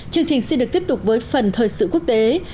chương trình xin được tiếp tục với phần thời sự quốc tế